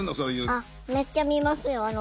あっめっちゃ見ますよ。